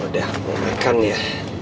ya udah aku makan ya